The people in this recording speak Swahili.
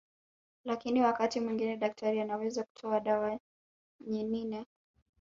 Lakini wakati mwingine daktari anaweza kutoa dawa nyinine